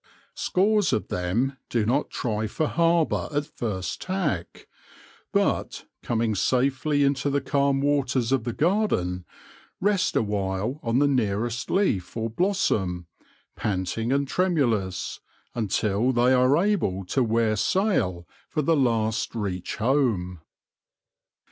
Scores of them do not try for harbour at first tack, but, coming safely into the calm waters of the garden, rest awhile on the nearest leaf or blossom, panting and tremulous, until they are able to wear sail for the last reach home.